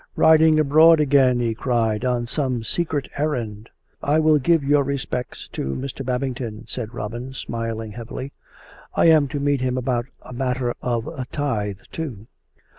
" Riding abroad again/' he cried, " on some secret errand !"" I will give your respects to Mr. Babington," said Robin, smiling heavily. " I am to meet him about a matter of a tithe too